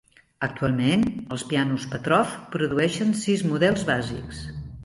Actualment, els pianos Petrof produeixen sis models bàsics.